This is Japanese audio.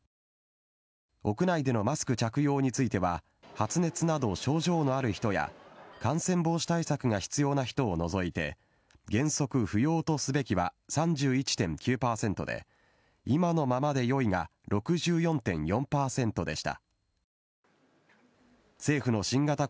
屋内でのマスク着用については発熱など症状がある人や感染防止対策が必要な人を除いて原則不要とすべきは３１．９％で今のままでよいが６４．４％でした。